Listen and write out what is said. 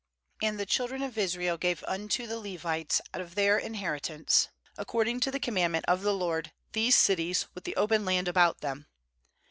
3And the children of Israel gave unto the Levites out of their inheritance, according to the ^ commandment of the LOED, these cities * with the open land about them.